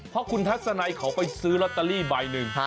เพราะคุณทัศนัยเขาไปซื้อลอตเตอรี่ใบหนึ่ง